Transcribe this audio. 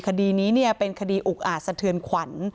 คดีนี้เป็นคดีอุกอาจสะเทือนขวัญ